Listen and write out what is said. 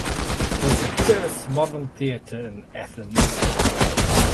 It was the first modern theatre in Athens.